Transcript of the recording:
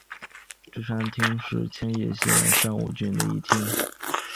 芝山町是千叶县山武郡的一町。